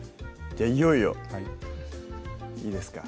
いよいよいいですか？